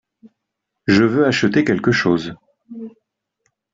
Je veux acheter quelque chose.